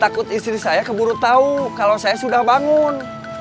takut istri saya keburu tahu kalau saya sudah bangun